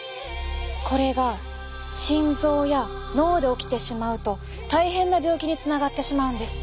これが心臓や脳で起きてしまうと大変な病気につながってしまうんです。